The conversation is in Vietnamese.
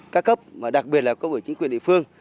các cấp đặc biệt là cốc ủy chính quyền địa phương